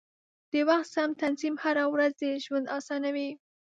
د وخت سم تنظیم هره ورځي ژوند اسانوي.